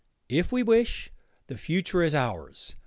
If we wish, the future is ours.